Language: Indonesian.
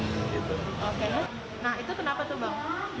nah itu kenapa tuh bang